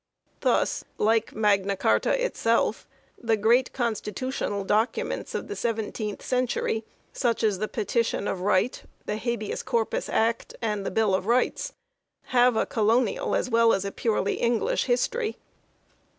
Thus, like Magna Carta itself, the great constitutional documents of the seventeenth century, such as the Petition of Right, the Habeas Corpus Act, and the Bill of Rights, have a colonial as well as a purely English history.